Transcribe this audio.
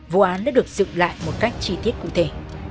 vụ án đã được dựng lại một cách chi tiết cụ thể